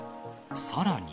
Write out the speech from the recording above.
さらに。